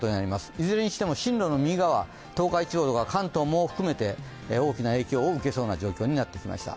いずれにしても、進路の右側、東海地方とか関東も含めて大きな影響を受けそうな状況になってきました。